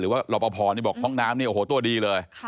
หรือว่ารบภบอกว่าห้องน้ำนี่โอ้โหตัวดีเลย